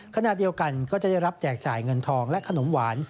ขณะเดียวกันก็จะได้รับแจกจ่ายเงินทองและขนมหวาน